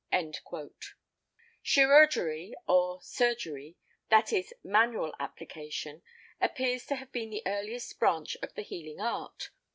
Chirurgery, or surgery—that is manual application—appears to have been the earliest branch of the healing art.